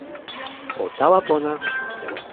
o tawa pona!